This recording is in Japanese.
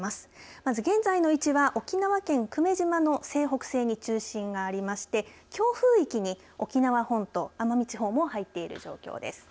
まず現在の位置は沖縄県久米島の西北西に中心がありまして強風域に沖縄本島奄美地方も入っている状況です。